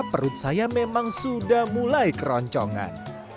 perut saya memang sudah mulai keroncongan